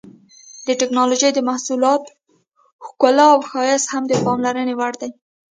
د ټېکنالوجۍ د محصولاتو ښکلا او ښایست هم د پاملرنې وړ دي.